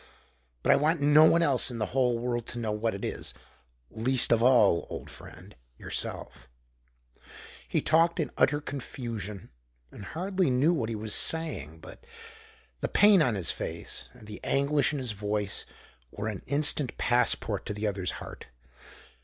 But I want no one else in the whole world to know what it is least of all, old friend, yourself." He talked in utter confusion, and hardly knew what he was saying. But the pain on his face and the anguish in his voice were an instant passport to the other's heart.